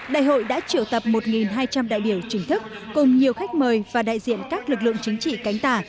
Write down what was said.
đại hội đã triệu tập một hai trăm linh đại biểu chính thức cùng nhiều khách mời và đại diện các lực lượng chính trị cánh tả